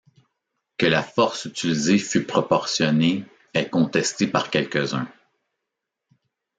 Que la force utilisée fut proportionnée est contesté par quelques-uns.